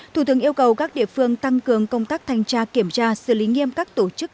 thủ tướng yêu cầu các địa phương tăng cường công tác thanh tra kiểm tra xử lý nghiêm các tổ chức